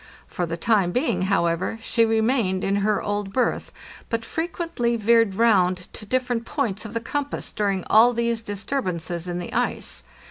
For the time being, however, she remained in her old berth, but frequently veered round to different points of the compass during all these disturbances in the ice.